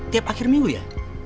tiap akhir minggu ya